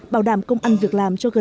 bảo đảm công ăn việc làm cho gần